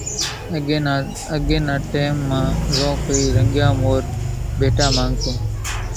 اڳي نا ٽيم مان زو ڪونئين رنڳيا مورِ ڀيٽا ماڳتو،